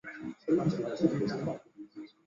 前身是高雄市实验国乐团。